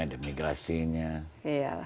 ada migrasinya iya